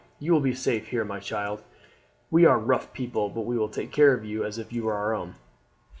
You will be safe here, my child. We are rough people, but we will take care of you as if you were our own."